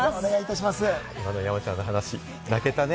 山ちゃんの話、泣けたね。